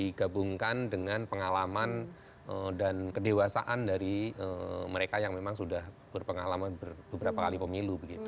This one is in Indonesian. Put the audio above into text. digabungkan dengan pengalaman dan kedewasaan dari mereka yang memang sudah berpengalaman beberapa kali pemilu